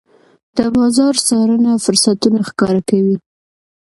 د بازار څارنه فرصتونه ښکاره کوي.